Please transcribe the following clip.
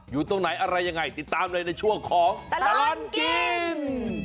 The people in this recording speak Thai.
อยู่ตรงไหนอะไรยังไงติดตามเลยในช่วงของตลอดกิน